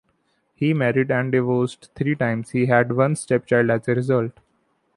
He married and divorced three times; he had one stepchild as a result.